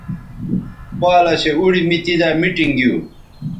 پالسے اوڑی می تیزائ میٹنگ گیو